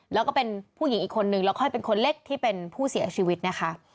แล้วก็เป็นผู้หญิงอีกคนนึงแล้วค่อยเป็นคนเล็กที่เป็นผู้เสียชีวิตนะคะ